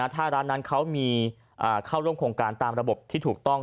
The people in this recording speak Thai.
ถ้าร้านนั้นเขามีเข้าร่วมโครงการตามระบบที่ถูกต้อง